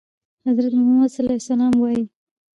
حضرت محمد ورته وايي.